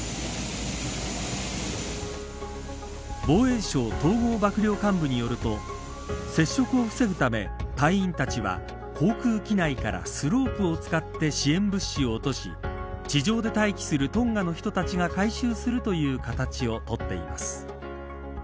防衛省統合幕僚監部によると接触を防ぐため、隊員たちは航空機内からスロープを使って支援物資を落とし地上で待機するトンガの人たちが回収するという形を取っています。